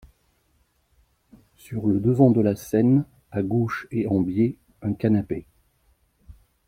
Sur le devant de la scène, à gauche et en biais, un canapé.